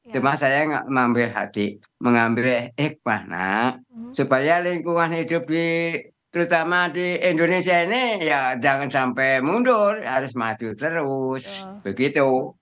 cuma saya mengambil hati mengambil supaya lingkungan hidup terutama di indonesia ini ya jangan sampai mundur harus maju terus begitu